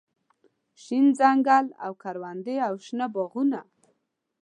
شين ځنګل او کروندې او شنه باغونه